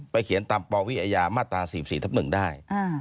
เขียนตามปวิอาญามาตรา๔๔ทับ๑ได้